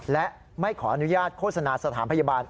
และไม่ขออนุญาตโฆษณาสถานพยาบาล